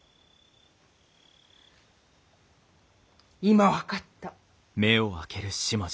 今分かった。